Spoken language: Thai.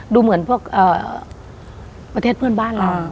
ดูเหมือนพวกประเทศเพื่อนบ้านเรา